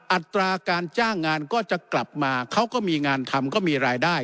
อัตราการจ้างงานก็จะกลับมาเขาก็มีงานทำก็มีรายได้